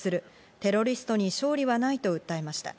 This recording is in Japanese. テロリストに勝利はないと訴えました。